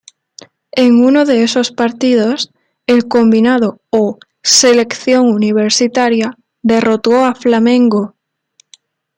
En uno de esos partidos, el Combinado o "Selección Universitaria" derrotó a Flamengo.